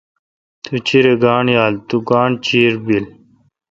تو چیرہ گانٹھ یال۔۔تو گانٹھ چیر بیل۔